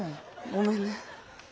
ごめんね。